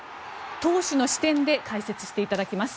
投手の視点で解説していただきます。